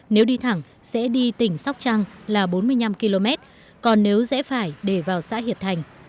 nếu đi thẳng sẽ đi tỉnh sóc trăng là bốn mươi năm km còn nếu rẽ phải để vào xã hiệp thành